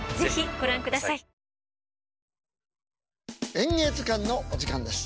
「演芸図鑑」のお時間です。